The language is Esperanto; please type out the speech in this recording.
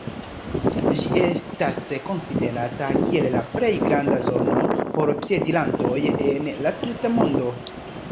Ĝi estas konsiderata kiel la plej granda zono por piedirantoj en la tuta mondo.